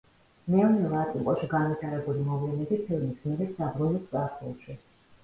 ნელ-ნელა აწმყოში განვითარებული მოვლენები ფილმის გმირებს აბრუნებს წარსულში.